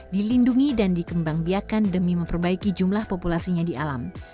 dilindungi dan dikembangbiakan demi memperbaiki jumlah populasinya di alam